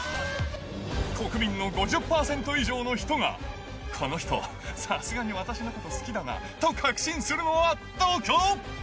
国民の５０％以上の人が、この人、さすがに私のこと好きだなと確信するのはどこ？